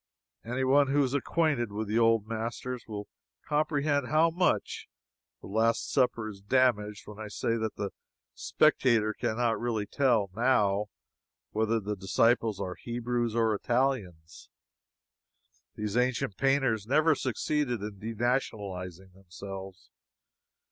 Any one who is acquainted with the old masters will comprehend how much "The Last Supper" is damaged when I say that the spectator can not really tell, now, whether the disciples are Hebrews or Italians. These ancient painters never succeeded in denationalizing themselves.